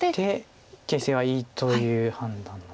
形勢はいいという判断なんです。